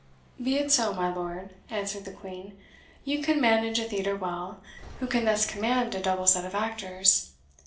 "Be it so, my lord," answered the Queen; "you could manage a theatre well, who can thus command a double set of actors.